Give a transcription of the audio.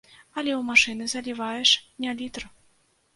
Але ў машыны заліваеш не літр.